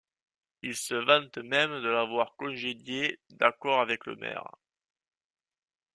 Il se vante même de l'avoir congédié, d'accord avec le maire.